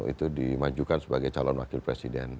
itu dimajukan sebagai calon wakil presiden